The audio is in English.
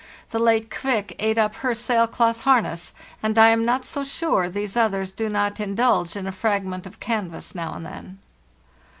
The late ' Kvik' ate up her sail cloth harness, and I am not so sure these others do not indulge in a fragment of canvas now and then.